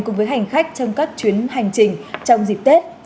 cùng với hành khách trong các chuyến hành trình trong dịp tết